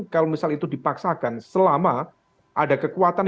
kalau misal itu dipaksakan selama ada kekuatan